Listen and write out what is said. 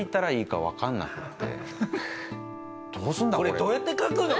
これどうやって描くの？